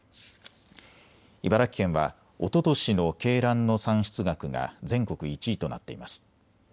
茨城県はおととしの鶏卵の産出額が全国１位となっています。